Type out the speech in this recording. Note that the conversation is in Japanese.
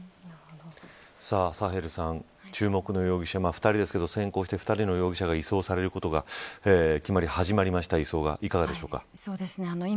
サヘルさん注目の容疑者、２人ですけど先行して２人の容疑者が移送されることが決まりました。